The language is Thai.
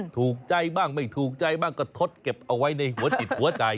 ถูกใจบ้างไม่ถูกใจบ้างก็ทดเก็บเอาไว้ในหัวจิตหัวใจ